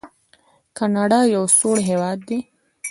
کاناډا یو سوړ هیواد دی.